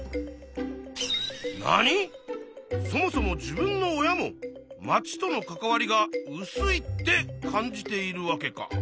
そもそも自分の親も町との関わりがうすいって感じているわけか。